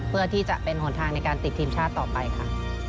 เพื่อที่จะเป็นหนทางในการติดทีมชาติต่อไปค่ะ